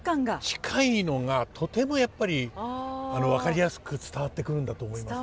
近いのがとてもやっぱり分かりやすく伝わってくるんだと思いますね。